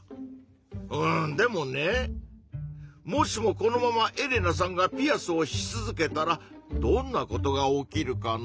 うんでもねもしもこのままエレナさんがピアスをし続けたらどんなことが起きるかな？